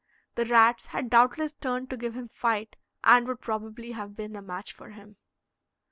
The rats had doubtless turned to give him fight, and would probably have been a match for him.